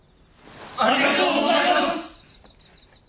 ありがとうございます！